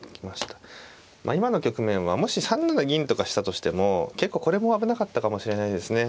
まあ今の局面はもし３七銀とかしたとしても結構これも危なかったかもしれないですね。